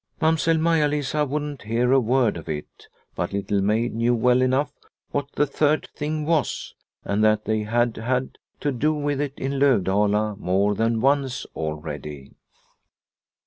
Mamsell Maia Lisa wouldn't hear a word of it, but Little Maid knew well enough what the third thing was, and that they had had to do with it in Lovdala more than once already.